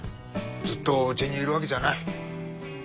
ずっとうちにいるわけじゃない。